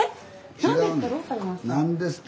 何ですか？